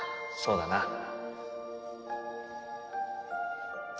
そうだな。